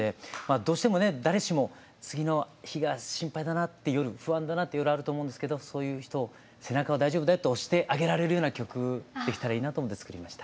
どうしてもね誰しも次の日が心配だなっていう夜不安だなっていう夜あると思うんですけどそういう人を背中を大丈夫だよって押してあげられるような曲できたらいいなと思って作りました。